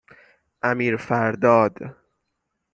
امیرفرداد